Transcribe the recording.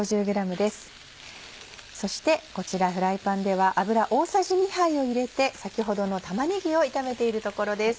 そしてこちらフライパンでは油大さじ２杯を入れて先ほどの玉ねぎを炒めているところです。